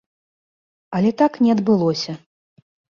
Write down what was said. Але так не адбылося.